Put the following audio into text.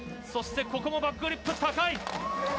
そしてここもバックフリップ、高い。